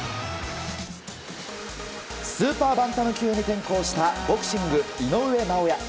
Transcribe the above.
スーパーバンタム級に転向したボクシング、井上尚弥。